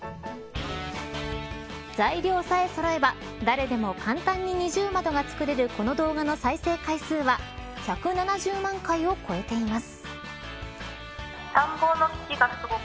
材料さえそろえば誰でも簡単に二重窓が作れるこの動画の再生回数は１７０万回を超えています。